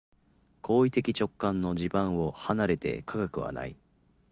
行為的直観の地盤を離れて科学はない。